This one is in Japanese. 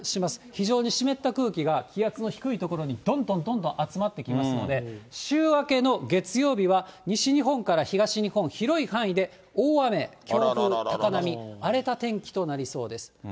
非常に湿った空気が、気圧の低い所にどんどんどんどん集まってきますので、週明けの月曜日は西日本から東日本、広い範囲で大雨、強風、高波、荒れた天気となりそうです。